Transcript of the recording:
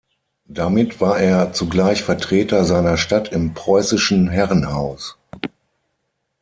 Damit war er zugleich Vertreter seiner Stadt im Preußischen Herrenhaus.